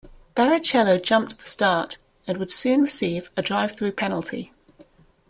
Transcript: Barrichello jumped the start, and would soon receive a drive-through penalty.